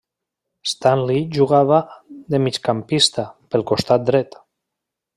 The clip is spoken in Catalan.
Stanley jugava de migcampista pel costat dret.